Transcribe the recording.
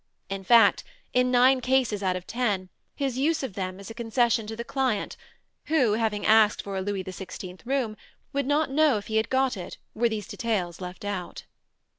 In fact, in nine cases out of ten his use of them is a concession to the client who, having asked for a Louis XVI room, would not know he had got it were these details left out.